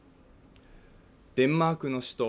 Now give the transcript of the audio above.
デンマークの首都